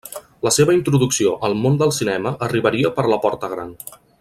La seva introducció al món del cinema arribaria per la porta gran.